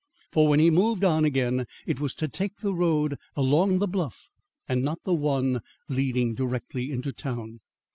For when he moved on again it was to take the road along the bluff, and not the one leading directly into town.